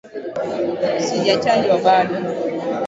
Sijachanjwa bado